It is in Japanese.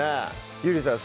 ゆりさん